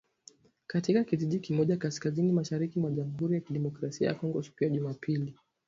Katika kijiji kimoja kaskazini-mashariki mwa Jamuhuri ya Kidemokrasia ya Kongo siku ya Jumapili